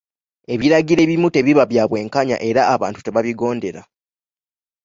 Ebiragiro ebimu tebiba bya bwenkanya era abantu tebabigondera.